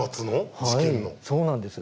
はいそうなんです。